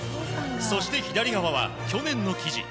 そして左側は去年の記事。